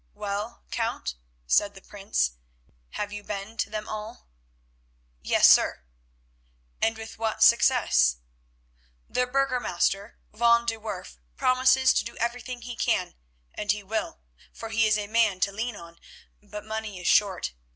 "Well, Count," said the Prince, "have you been to them all?" "Yes, sir." "And with what success?" "The burgomaster, van de Werff, promises to do everything he can, and will, for he is a man to lean on, but money is short.